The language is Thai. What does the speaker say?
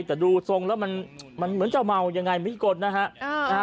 แต่ดูทรงแล้วมันเหมือนจะเมายังไงมีกฎนะฮะ